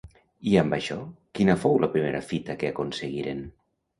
I amb això, quina fou la primera fita que aconseguiren?